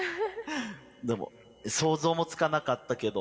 でも想像もつかなかったけど。